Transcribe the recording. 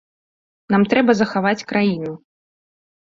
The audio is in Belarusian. Нам трэба захаваць краіну!